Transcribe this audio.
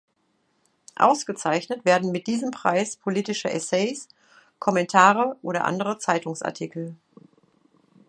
Ausgezeichnet werden mit diesem Preis politische Essays, Kommentare oder andere Zeitungsartikel.